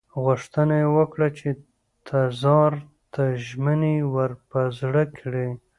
غوښتنه یې وکړه چې تزار ته ژمنې ور په زړه کړي.